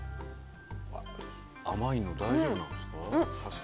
甘いの大丈夫なんですか？